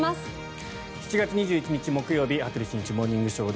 ７月２１日、木曜日「羽鳥慎一モーニングショー」。